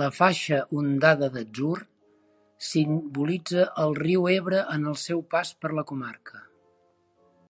La faixa ondada d'atzur simbolitza el riu Ebre en el seu pas per la comarca.